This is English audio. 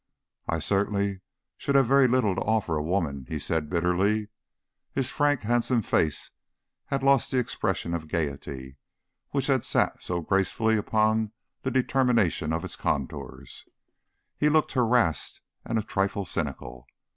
"I certainly should have very little to offer a woman," he said bitterly. His frank handsome face had lost the expression of gayety which had sat so gracefully upon the determination of its contours; he looked harassed and a trifle cynical.